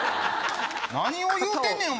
何を言うてんねん！